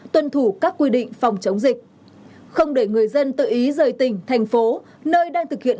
tuân thủ các quy định phòng chống dịch không để người dân tự ý rời tỉnh thành phố nơi đang thực hiện